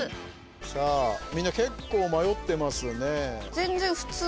さあみんな結構迷ってますね。